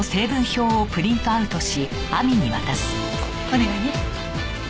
お願いね。